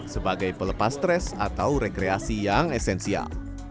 sebagai pelepas stres atau rekreasi yang esensial